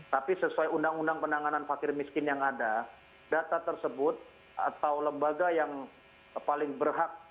tapi sesuai undang undang penanganan fakir miskin yang ada data tersebut atau lembaga yang paling berhak